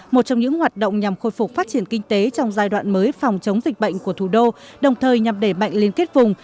một trong những hoạt động nhằm khôi phục phát triển kinh tế trong giai đoạn mới phòng chống dịch bệnh của thủ đô đồng thời nhằm đẩy mạnh liên kết vùng